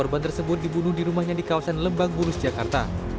korban tersebut dibunuh di rumahnya di kawasan lebak bulus jakarta